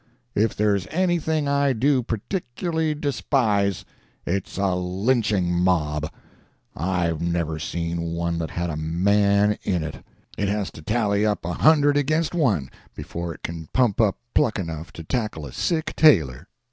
If there's anything I do particularly despise, it's a lynching mob; I've never seen one that had a man in it. It has to tally up a hundred against one before it can pump up pluck enough to tackle a sick tailor.